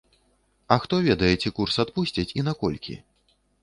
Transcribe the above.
А хто ведае, ці курс адпусцяць і наколькі?